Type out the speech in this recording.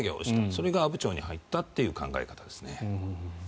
それが阿武町に入ったという考え方ですね。